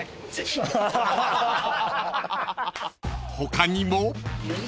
［他にも］